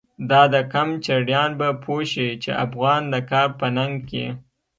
دا د قم چړیان به پوه شی، چی افغان د کار په ننگ کی